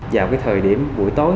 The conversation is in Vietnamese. dạo cái thời điểm buổi tối